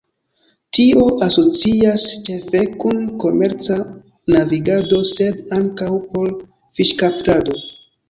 Tio asocias ĉefe kun komerca navigado sed ankaŭ por fiŝkaptado.